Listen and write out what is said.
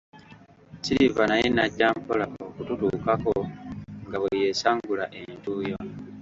Silver naye n'ajja mpola okututuukako nga bwe yeesangula entuuyo.